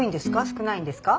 少ないんですか？